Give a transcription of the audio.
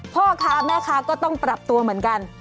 พ่อค้าแม่ค้าก็ต้องปรับตัวเหมือนกัน